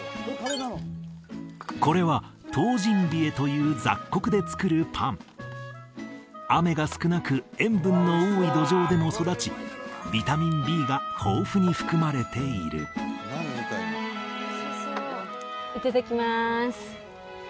これはトウジンビエという雑穀で作るパン雨が少なく塩分の多い土壌でも育ちビタミンＢが豊富に含まれているいただきます